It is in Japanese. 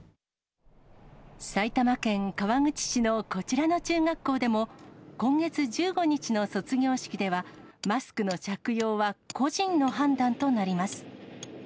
埼玉県川口市のこちらの中学校でも、今月１５日の卒業式では、マスクの着用は個人の判断となります。